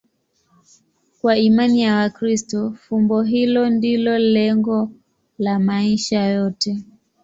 Kwa imani ya Wakristo, fumbo hilo ndilo lengo la maisha yote.